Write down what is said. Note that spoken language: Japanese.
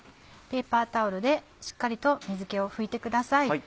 ペーパータオルでしっかりと水気を拭いてください。